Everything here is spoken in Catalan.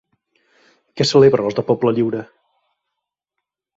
Què celebren els de Poble Lliure?